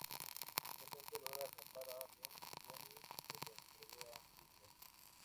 Finalmente, logra atrapar a Bugs Bunny y se lo entrega a Hitler.